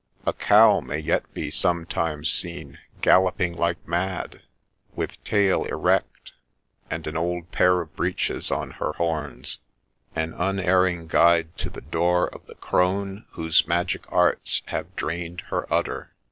A cow may yet be sometimes seen galloping like mad, with tail erect, and an old pair of breeches on her horns, an unerring guide to the door of the crone whose magic arts have drained her udder.